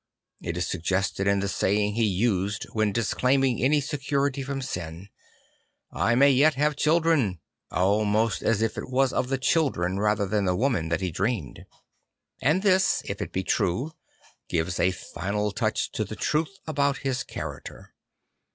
It is suggested in the saying he used when disclaiming any security from sin, H I may yet have children "; almost as if it was of the children rather than the woman that he dreamed. And this, if it be true, gives a final touch to the truth about his character.